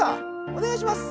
お願いします。